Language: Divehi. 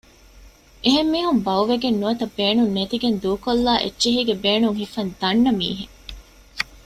އެހެން މީހުން ބައުވެގެން ނުވަތަ ބޭނުން ނެތިގެން ދޫކޮށްލާ އެއްޗެހީގެ ބޭނުން ހިފަން ދަންނަ މީހެއް